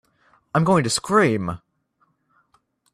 I'm going to scream!